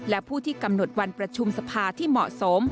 และผู้ที่กำหนดวันประชุมสภาที่เหมาะสม